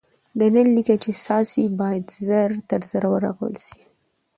د نل لیکه چي څاڅي باید ژر تر ژره ورغول سي.